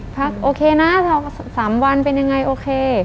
โอเคนะ๓วันเป็นยังไงโอเค